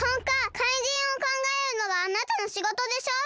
かいじんをかんがえるのがあなたのしごとでしょ！